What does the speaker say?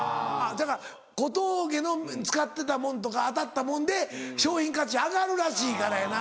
だから小峠の使ってたもんとか当たったもんで商品価値上がるらしいからやな。